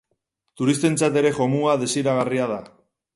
Turistentzat ere jomuga desiragarria da.